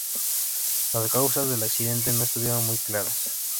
Las causas del accidente no estuvieron muy claras.